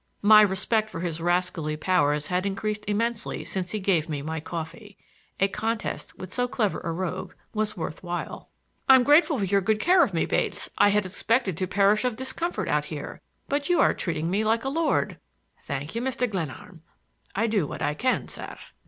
My respect for his rascally powers had increased immensely since he gave me my coffee. A contest with so clever a rogue was worth while. "I'm grateful for your good care of me, Bates. I had expected to perish of discomfort out here, but you are treating me like a lord." "Thank you, Mr. Glenarm. I do what I can, sir."